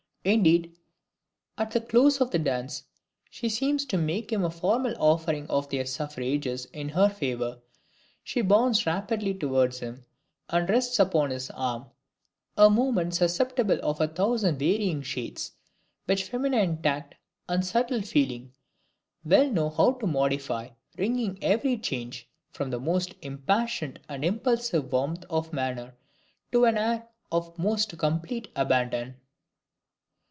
Indeed, at the close of the dance, she seems to make him a formal offering of their suffrages in her favor. She bounds rapidly towards him and rests upon his arm, a movement susceptible of a thousand varying shades which feminine tact and subtle feeling well know how to modify, ringing every change, from the most impassioned and impulsive warmth of manner to an air of the most complete "abandon."